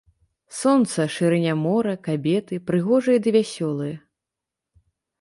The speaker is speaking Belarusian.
Сонца, шырыня мора, кабеты прыгожыя ды вясёлыя.